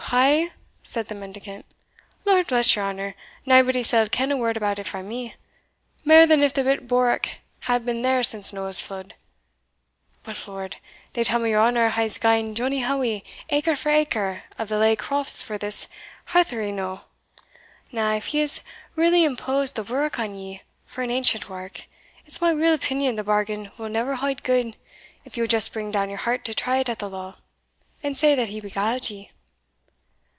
"Who, I?" said the mendicant "Lord bless your honour, naebody sall ken a word about it frae me, mair than if the bit bourock had been there since Noah's flood. But, Lord, they tell me your honour has gien Johnnie Howie acre for acre of the laigh crofts for this heathery knowe! Now, if he has really imposed the bourock on ye for an ancient wark, it's my real opinion the bargain will never haud gude, if you would just bring down your heart to try it at the law, and say that he beguiled ye."